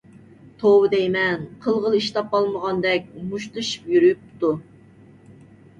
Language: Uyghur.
توۋا دەيمەن! قىلغىلى ئىش تاپالمىغاندەك مۇشتلىشىپ يۈرۈپتۇ.